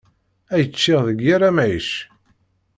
Ay ččiɣ deg yir amɛic.